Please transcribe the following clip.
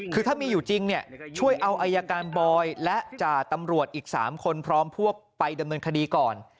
คือถ้ามีอยู่จริงเนี่ยช่วยเอาอายการบอยและจ่าตำรวจอีก๓คนพร้อมพวกไปดำเนินคดีก่อน